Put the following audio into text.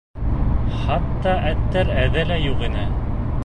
Хатта эттәр эҙе лә юҡ ине.